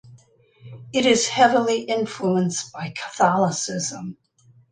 It is heavily influence by Catholcisim.